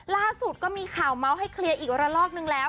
ล่าสุดก็มีข่าวเมาส์ให้เคลียร์อีกระลอกนึงแล้ว